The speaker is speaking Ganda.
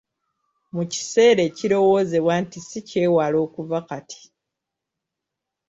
Mu kiseera ekirowoozebwa nti ssi kyewala okuva kati.